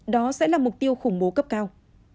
đó sẽ là mục tiêu khủng bố cấp cao